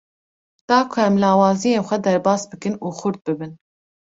Da ku em lawaziyên xwe derbas bikin û xurt bibin.